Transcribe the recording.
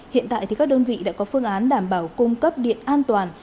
hiện tại các đơn vị đã có phương án đảm bảo cung cấp điện an toàn